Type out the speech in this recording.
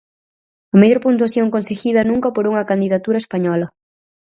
A mellor puntuación conseguida nunca por unha candidatura española.